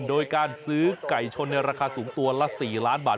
โดยการซื้อไก่ชนในราคาสูงตัวละ๔ล้านบาท